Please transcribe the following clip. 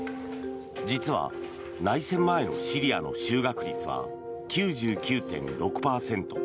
実は、内戦前のシリアの就学率は９９．６％。